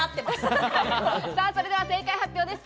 それでは正解発表です。